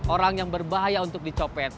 orang yang berbahaya untuk dicopet